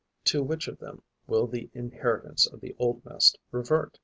To which of them will the inheritance of the old nest revert?